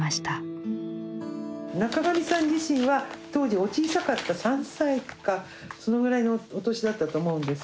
中上さん自身は当時お小さかった３歳かそのぐらいのお年だったと思うんです。